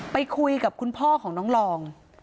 ไปคุยกับคุณพ่อของน้องลอง